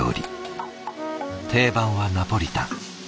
定番はナポリタン。